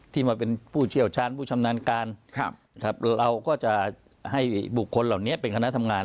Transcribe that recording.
มาเป็นผู้เชี่ยวชาญผู้ชำนาญการแล้วเราก็จะให้บุคคลเหล่านี้เป็นคณะทำงาน